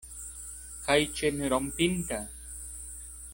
Kaj ĉenrompinta?